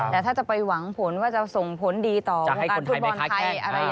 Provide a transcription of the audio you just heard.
แต่ถ้าจะไปหวังผลว่าจะส่งผลดีต่อพวกอันธุบรรณไทยอะไรยังไง